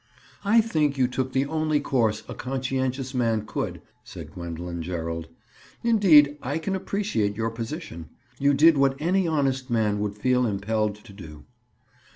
"I think you took the only course a conscientious man could," said Gwendoline Gerald. "Indeed, I can appreciate your position. You did what any honest man would feel impelled to do."